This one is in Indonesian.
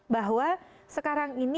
bahwa sekarang ini